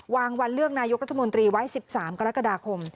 วันเลือกนายกรัฐมนตรีไว้๑๓กรกฎาคม